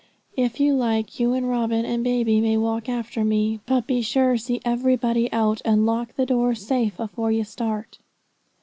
If you like, you and Robin and baby may walk after me; but be sure see everybody out, and lock the door safe afore you start.'